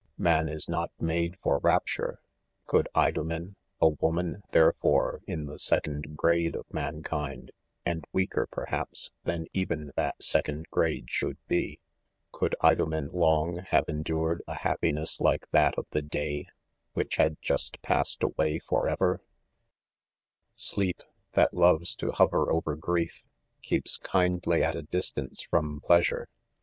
J tu Manis not made for rapture;" couldldo men — a woman, therefore in the second grade THE CONFESSIONS. 101 of mankind, and weaker perhaps, than even that second grade should be — could Idomen long have endured a happiness like that of the day which had just passed away forever 1 ' Sleep, that loves to hover over grief, keeps kindly at a distance from pleasure.